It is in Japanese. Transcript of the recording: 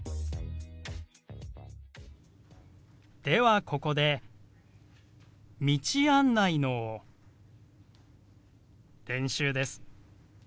ではここで道案内の練習です。